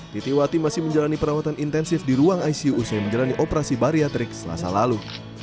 titi wati masih menjalani perawatan intensif di ruang icu selama selasa lalu